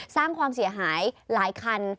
สร้างความเสียหายหลายคัน